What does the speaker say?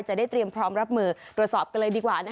จะได้เตรียมพร้อมรับมือตรวจสอบกันเลยดีกว่า